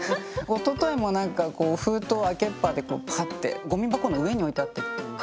おとといもなんか封筒を開けっぱでこうパッてゴミ箱の上に置いてあって。